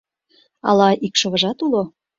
Ала икшывыжат уло?